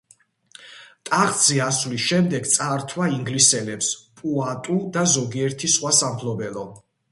ტახტზე ასვლის შემდეგ წაართვა ინგლისელებს პუატუ და ზოგიერთი სხვა სამფლობელო.